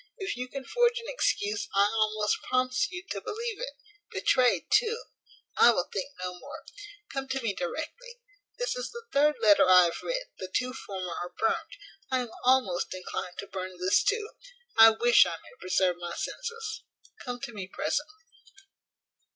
If you can forge an excuse I almost promise you to believe it. Betrayed too I will think no more. Come to me directly. This is the third letter I have writ, the two former are burnt I am almost inclined to burn this too I wish I may preserve my senses. Come to me presently."